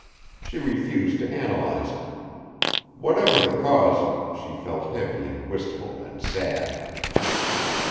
She refused to analyze it. Whatever the cause, she felt heavy and wistful and sad.